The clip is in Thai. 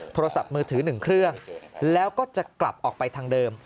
โทรศัพท์มือถือ๑เครื่องแล้วก็จะกลับออกไปทางเดิม